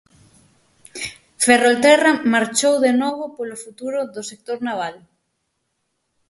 Ferrolterra marchou de novo polo futuro do sector naval.